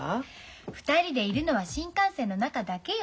２人でいるのは新幹線の中だけよ。